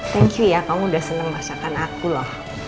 thank you ya kamu udah seneng masakan aku loh